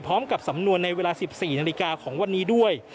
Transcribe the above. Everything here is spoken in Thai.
สำหรับสำนวนในเวลา๑๔นาฬิกาของวันนี้ด้วย